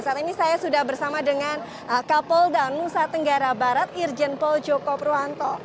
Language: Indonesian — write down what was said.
saat ini saya sudah bersama dengan kapolda nusa tenggara barat irjen pol joko purwanto